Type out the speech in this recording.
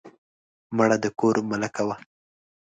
مړه د کور ملکه وه